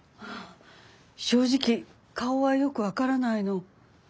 正直顔はよく分からないの。